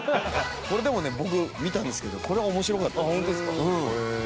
これでもね僕見たんですけどこれは面白かったです。